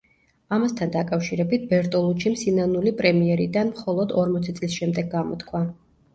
ამასთან დაკავშირებით, ბერტოლუჩიმ სინანული პრემიერიდან მხოლოდ ორმოცი წლის შემდეგ გამოთქვა.